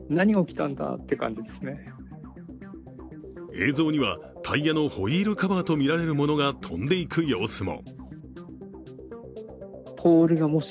映像にはタイヤのホイールカバーとみられるものが飛んでいく様子も。